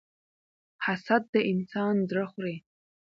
حسد د انسان زړه خوري.